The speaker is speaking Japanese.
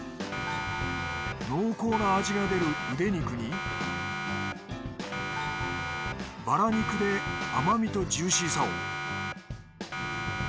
濃厚な味が出るウデ肉にバラ肉で甘みとジューシーさを。